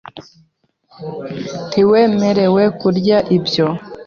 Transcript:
Ntiwemerewe kurya ibyo .